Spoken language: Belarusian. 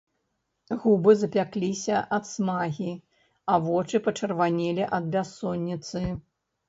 Губы запякліся ад смагі, а вочы пачырванелі ад бяссонніцы.